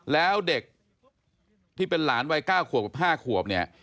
แล้วเด็กที่เป็นหลานวัย๙ขวบกับ๕ขวบเนี่ย